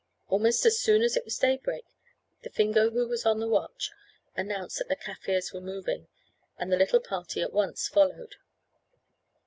Almost as soon as it was daybreak, the Fingo who was on the watch announced that the Kaffirs were moving, and the little party at once followed.